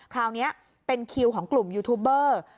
คราวนี้เป็นคิวของกลุ่มยูทูบเบอร์